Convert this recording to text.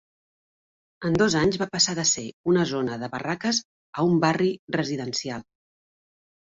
En dos anys va passar de ser una zona de barraques a un barri residencial.